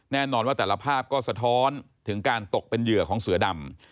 แน่นอนว่าแต่ละภาพก็สะท้อนถึงการตกเป็นเหยื่อของเสือดำ